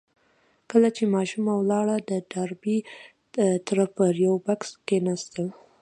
کله چې ماشومه ولاړه د ډاربي تره پر يوه بکس کېناست.